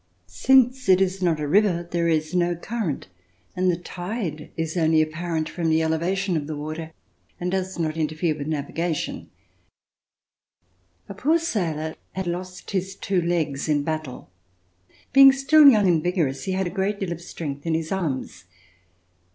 Since it Is not a river, there is no current, and the tide Is only apparent from the elevation of the water and does not Interfere with navigation. A poor sailor had lost his two legs In [223 ] RECOLLECTIONS OF THE REVOLUTION battle. Being still young and vigorous, he had a great deal of strength In his arms.